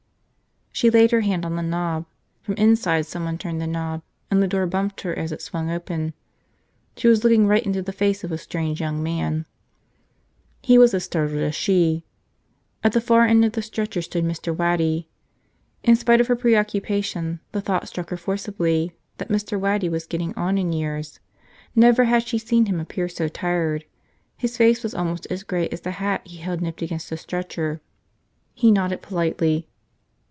She laid her hand on the knob. From inside someone turned the knob and the door bumped her as it swung open. She was looking right into the face of a strange young man. He was as startled as she. At the far end of the stretcher stood Mr. Waddy. In spite of her preoccupation the thought struck her forcibly that Mr. Waddy was getting on in years. Never had she seen him appear so tired. His face was almost as gray as the hat he held nipped against the stretcher. He nodded politely.